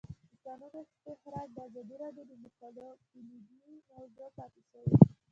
د کانونو استخراج د ازادي راډیو د مقالو کلیدي موضوع پاتې شوی.